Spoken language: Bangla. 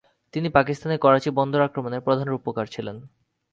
তিনি পাকিস্তানের করাচী বন্দর আক্রমণের প্রধান রূপকার ছিলেন তিনি।